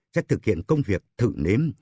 sẽ thực hiện công việc thử nếm